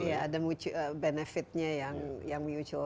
iya ada benefitnya yang mutual